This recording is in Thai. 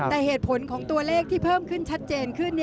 แต่เหตุผลของตัวเลขที่เพิ่มขึ้นชัดเจนขึ้น